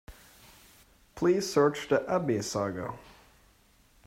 Please search the Abby saga.